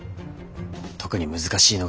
特に難しいのが。